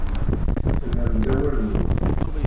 Tennam-d awal-nwen.